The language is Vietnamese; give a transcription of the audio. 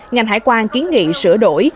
ngành hải quan kiến nghị sửa đổi